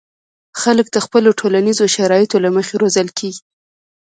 خلک د خپلو ټولنیزو شرایطو له مخې روزل کېږي.